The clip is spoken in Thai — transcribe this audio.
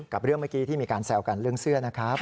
กับเรื่องเมื่อกี้ที่มีการแซวกันเรื่องเสื้อนะครับ